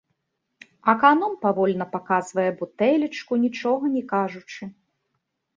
Аканом павольна паказвае бутэлечку, нічога не кажучы.